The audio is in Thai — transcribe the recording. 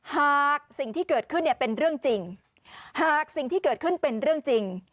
หากสิ่งที่เกิดขึ้นเนี่ยเป็นเรื่องจริงหากสิ่งที่เกิดขึ้นเป็นเรื่องจริง